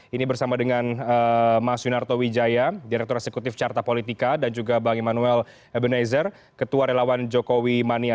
ini bersama dengan mas yunarto wijaya direktur eksekutif carta politika dan juga bang emanuel ebenezer ketua relawan jokowi mania